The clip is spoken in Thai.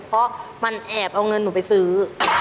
เพราะมันแอบเอาเงินหนูไปซื้อ